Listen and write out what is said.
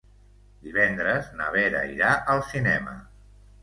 Divendres na Vera irà al cinema.